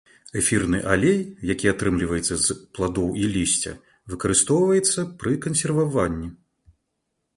Эфірны алей, які атрымліваецца з пладоў і лісця, выкарыстоўваецца пры кансерваванні.